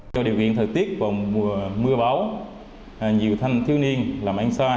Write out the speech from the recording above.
do điều kiện thời tiết và mưa báo nhiều thanh thiêu niên làm ăn xa